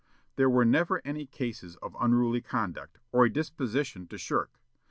There were never any cases of unruly conduct, or a disposition to shirk.